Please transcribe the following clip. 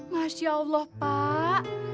masya allah pak